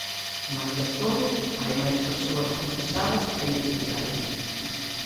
Malia todo, hai máis persoas procesadas e investigadas.